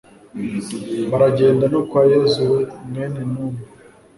baragenda no kwa yozuwe mwene nuni